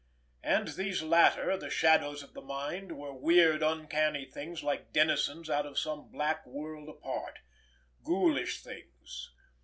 And these latter, the shadows of the mind, were weird, uncanny things like denizens out of some black world apart—ghoulish things.